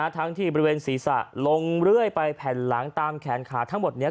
ทั้งที่บริเวณศีรษะลงเรื่อยไปแผ่นหลังตามแขนขาทั้งหมดนี้